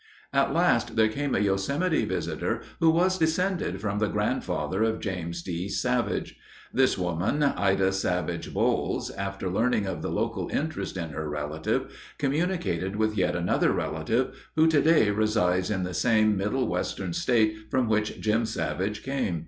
At last there came a Yosemite visitor who was descended from the grandfather of James D. Savage. This lady, Ida Savage Bolles, after learning of the local interest in her relative, communicated with yet another relative, who today resides in the same Middle Western state from which "Jim" Savage came.